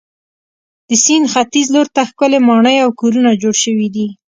د سیند ختیځ لور ته ښکلې ماڼۍ او کورونه جوړ شوي دي.